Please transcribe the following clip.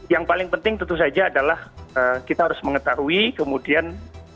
yang paling penting tentu saja adalah kita harus mengetahui kemudian